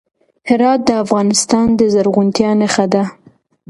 هرات د افغانستان د زرغونتیا نښه ده.